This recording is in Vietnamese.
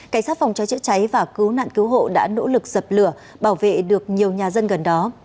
cảnh sát phòng cháy chữa cháy và cứu nạn cứu hộ đã nỗ lực dập lửa bảo vệ được nhiều nhà dân gần đó